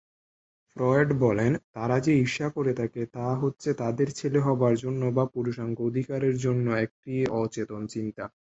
Freud বলেন, তারা যে ঈর্ষা করে থাকে তা হচ্ছে তাদের ছেলে হবার জন্য বা পুরুষাঙ্গ অধিকারের জন্য একটি অচেতন ইচ্ছা।